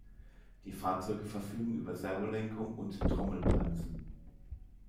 Die Fahrzeuge verfügen über Servolenkung und Trommelbremsen.